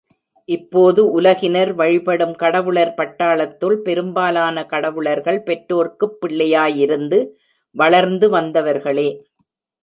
இப்போது உலகினர் வழிபடும் கடவுளர் பட்டாளத்துள் பெரும்பாலான கடவுளர்கள் பெற்றோர்க்குப் பிள்ளையாயிருந்து வளர்ந்து வாழ்ந்தவர்களே.